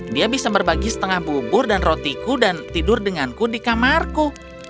dia bisa berbagi setengah bubur dan rotiku dan tidur denganku di kamarku